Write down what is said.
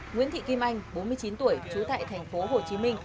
nguyễn thị kim anh bốn mươi chín tuổi chú tại tp hcm